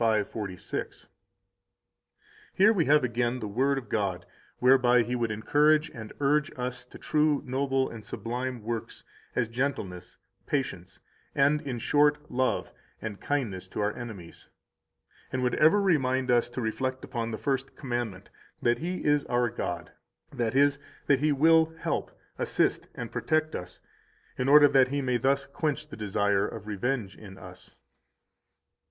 5:46. 195 Here we have again the Word of God whereby He would encourage and urge us to true noble and sublime works, as gentleness, patience, and, in short, love and kindness to our enemies, and would ever remind us to reflect upon the First Commandment, that He is our God, that is, that He will help, assist, and protect us, in order that He may thus quench the desire of revenge in us.